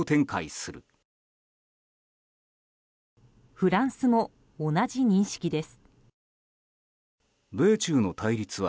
フランスも同じ認識です。